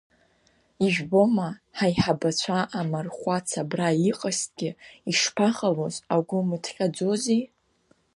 Ижәбома, ҳаиҳабацәа, амархәац абра иҟазҭгьы ишԥаҟалоз, агәы мыҭҟьаӡози?